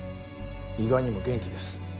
意外にも元気です。